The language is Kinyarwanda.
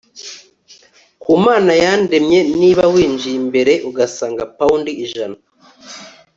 ku mana yandemye; niba winjiye imbere ugasanga pound ijana